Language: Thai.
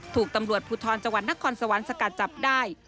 ถูกตำรวจภูทรจังหวัดนครสวรรค์สกัดจับได้